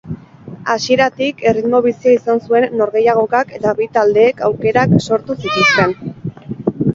Hasieratik erritmo bizia izan zuen norgehiagokak eta bi taldeek aukerak sortu zituzten.